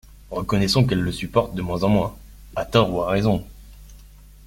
Reconnaissons qu’elles le supportent de moins en moins, à tort ou à raison.